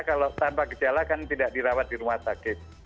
kalau tanpa gejala kan tidak dirawat di rumah sakit